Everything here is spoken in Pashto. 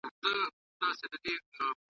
چي نه شوروي د پاولیو نه شرنګی د غاړګیو ,